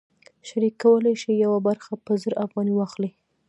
شریک کولی شي یوه برخه په زر افغانۍ واخلي